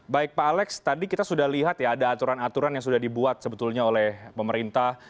baik pak alex tadi kita sudah lihat ya ada aturan aturan yang sudah dibuat sebetulnya oleh pemerintah